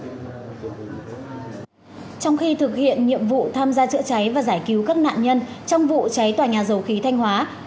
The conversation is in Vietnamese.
trong khi thực hiện nhiệm vụ tham gia chữa cháy và giải cứu các nạn nhân trong vụ cháy tòa nhà dầu khí thanh hóa